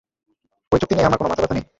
ওই চুক্তি নিয়ে আমার কোন মাথা ব্যাথা নেই।